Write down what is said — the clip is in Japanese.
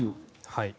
はい。